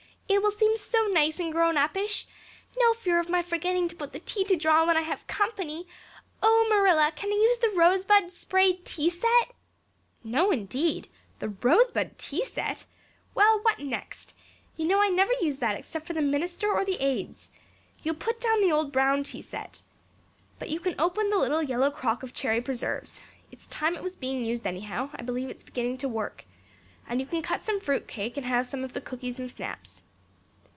It will seem so nice and grown uppish. No fear of my forgetting to put the tea to draw when I have company. Oh, Marilla, can I use the rosebud spray tea set?" "No, indeed! The rosebud tea set! Well, what next? You know I never use that except for the minister or the Aids. You'll put down the old brown tea set. But you can open the little yellow crock of cherry preserves. It's time it was being used anyhow I believe it's beginning to work. And you can cut some fruit cake and have some of the cookies and snaps."